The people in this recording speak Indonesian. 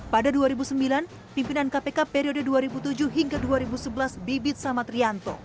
pada dua ribu sembilan pimpinan kpk periode dua ribu tujuh hingga dua ribu sebelas bibit samatrianto